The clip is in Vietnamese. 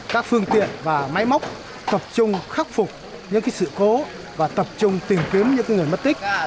các phương tiện và máy móc tập trung khắc phục những sự cố và tập trung tìm kiếm những người mất tích